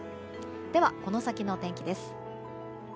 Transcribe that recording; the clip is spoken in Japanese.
では、この先の天気です。